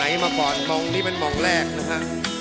ไหนมาปอนด์มองนี่เป็นมองแรกนะฮะ